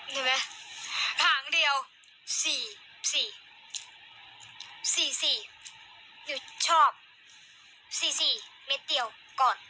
เห็นไหมหางเดียวสี่สี่สี่สี่ชอบสี่สี่เม็ดเดียวก่อน